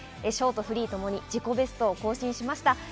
ショート、フリーともに自己ベストを更新しました。